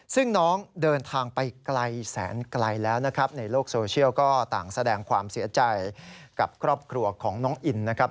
ซึ่งน้องเดินทางไปไกลแสนไกลแล้วนะครับในโลกโซเชียลก็ต่างแสดงความเสียใจกับครอบครัวของน้องอินนะครับ